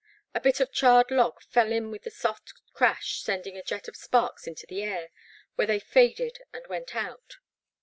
A bit of charred log fell in with a soft crash send ing a jet of sparks into the air, where they faded and went out.